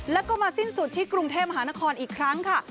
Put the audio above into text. แล้วก็มาสิ้นสุดที่กรุงเทพมหานครอีกครั้งค่ะ